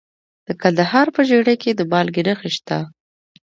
د کندهار په ژیړۍ کې د مالګې نښې شته.